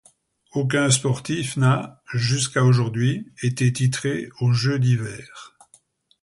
Aucun sportif n'a, jusqu'à aujourd'hui, été titré aux Jeux d'hiver.